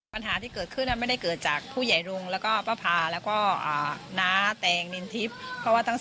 ปัญหาที่เกิดขึ้นไม่ได้เกิดจากผู้ใหญ่รุงแล้วก็ป้าพาแล้วก็น้าแตงนินทิพย์